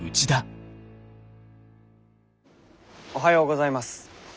おはようございます。